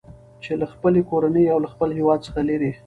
چې له خپلې کورنۍ او له خپل هیواد څخه لېرې